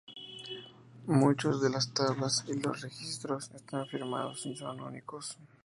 Muchos de las tablas y los registros están firmados y son únicos.